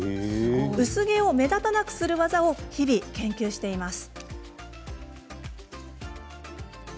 薄毛を目立たなくする技を日々、研究しているんです。